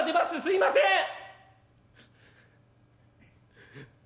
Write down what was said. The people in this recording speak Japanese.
「すいません